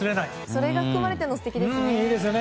それが含まれてるの素敵ですね。